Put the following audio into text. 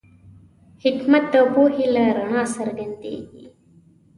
حکمت د پوهې له رڼا څرګندېږي.